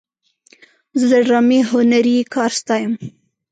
زه د ډرامې هنري کار ستایم.